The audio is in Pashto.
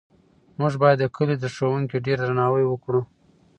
موږ باید د کلي د ښوونکي ډېر درناوی وکړو.